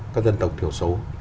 các dân tộc thiểu số